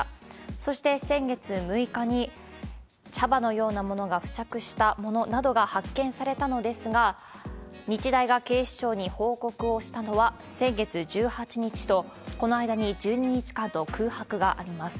そして、先月６日に茶葉のようなものが付着したものなどが発見されたのですが、日大が警視庁に報告をしたのは先月１８日と、この間に１２日間の空白があります。